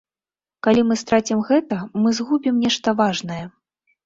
Калі мы страцім гэта, мы згубім нешта важнае.